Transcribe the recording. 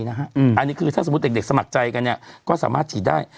อันนี้คือถ้าสมมุติเด็กสมัครใจกันก็สามารถฉีดได้